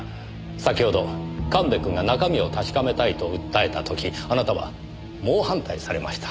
先ほど神戸くんが中身を確かめたいと訴えた時あなたは猛反対されました。